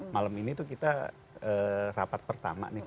malam ini tuh kita rapat pertama nih